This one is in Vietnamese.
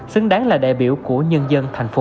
xứng đáng là đại biểu của nhân dân thành phố